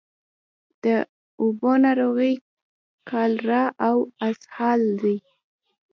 د اوبو ناروغۍ کالرا او اسهال دي.